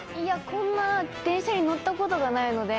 こんな電車に乗ったことがないので。